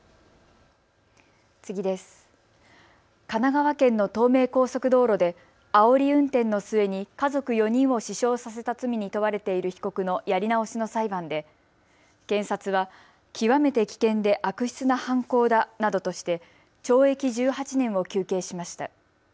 神奈川県の東名高速道路であおり運転の末に家族４人を死傷させた罪に問われている被告のやり直しの裁判で検察は極めて危険で悪質な犯行だなどとして懲役１８年を求刑しました。